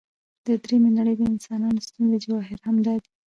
د درېمې نړۍ د انسان د ستونزې جوهر همدا دی.